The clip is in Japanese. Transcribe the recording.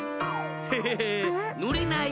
ヘヘヘーのれない。